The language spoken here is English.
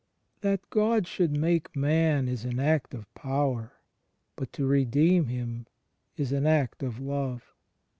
That God should make man is an act of power; but to redeem him is an act of Love.